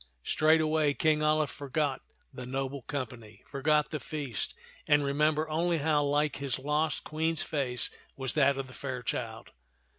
Straightway King Alia forgot the noble company, forgot the feast, and remembered only how like his lost Queen's face was that of the fair child.